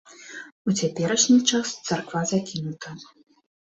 У цяперашні час царква закінута.